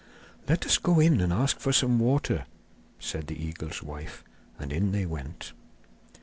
'Let us go in and ask for some water,' said the eagle's wife; and in they went.